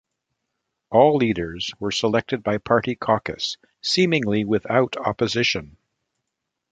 All leaders were selected by party caucus, seemingly without opposition.